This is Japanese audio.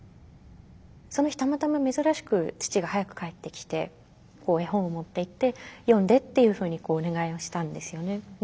その日たまたま珍しく父が早く帰ってきて絵本を持っていって読んでっていうふうにお願いをしたんですよね。